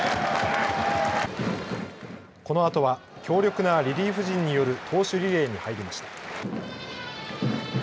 このあとは強力なリリーフ陣による投手リレーに入りました。